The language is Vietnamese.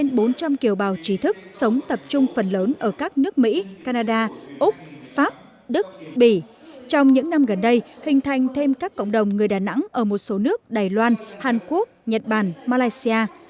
những năm gần đây hình thành thêm các cộng đồng người đà nẵng ở một số nước đài loan hàn quốc nhật bản malaysia